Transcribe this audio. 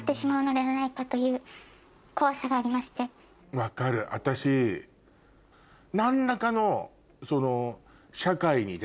分かる私何らかのその。